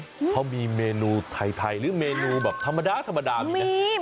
น้ำไทยต่อเขามีเมนูไทยไทยหรือเมนูแบบธรรมดาธรรมดามีมี